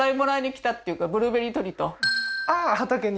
ああー畑に？